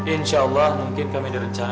insyaallah mungkin kami ada rencana